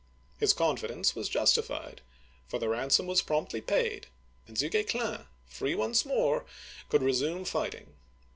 His confidence was justified, for the ransom was promptly paid, and Du Guesclin, free once more, could resume fight ing.